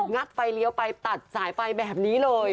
ไฟเลี้ยวไปตัดสายไฟแบบนี้เลย